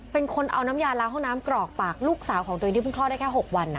เป็นคนเอาน้ำยาล้างห้องน้ำกรอกปากลูกสาวของตัวเองที่เพิ่งคลอดได้แค่๖วัน